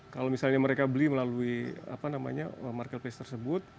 kalau misalnya mereka beli melalui marketplace tersebut